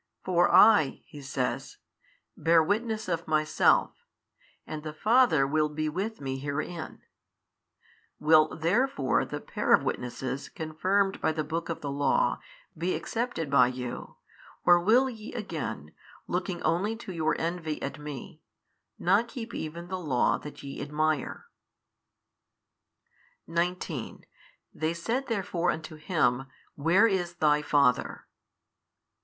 For I (He says) bear witness of Myself, and the Father will be with Me herein: will therefore the pair of witnesses confirmed by the book of the Law, be accepted by you, or will ye again, looking only to your envy at Me, not keep even the Law that ye admire? 19 They said therefore unto Him, Where is Thy Father?